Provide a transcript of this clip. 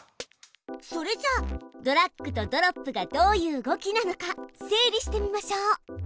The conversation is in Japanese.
それじゃドラッグとドロップがどういう動きなのか整理してみましょう。